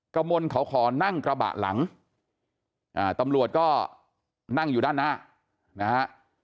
กระมนเขาขอนั่งกระบะหลังตำรวจก็นั่งอยู่ด้านหน้านะฮะ